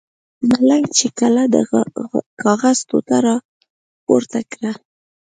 ملنګ چې کله د کاغذ ټوټه را پورته کړه.